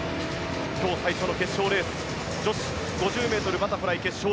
今日最初の決勝レース女子５０ｍバタフライ決勝。